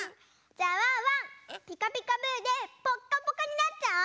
じゃあワンワン「ピカピカブ！」でぽっかぽかになっちゃおう！